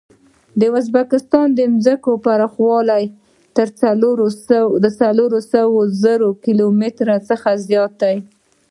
د ازبکستان د ځمکې پراخوالی تر څلور سوه زره کیلو متره څخه زیات دی.